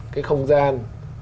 cái không gian